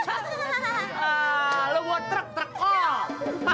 ah lu buat truk truk